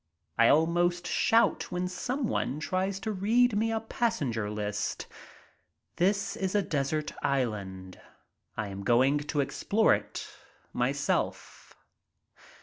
I almost shout when some one tries to read me a passenger list. This is my desert island — I am going to explore it myself.